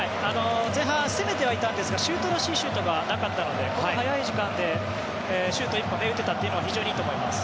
前半攻めてはいたんですがシュートらしいシュートがなかったので、この早い時間でシュート１本打てたというのは非常にいいと思います。